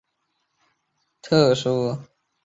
城市霓虹灯招牌属于一种特殊的大型氖灯。